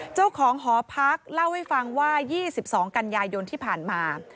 เจ้าของหอพักเล่าให้ฟังว่า๒๒กันยายนที่ผ่านมา